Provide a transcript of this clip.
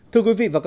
thưa quý vị